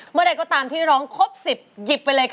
เมื่อใดก็ตามที่ร้องครบ๑๐หยิบไปเลยค่ะ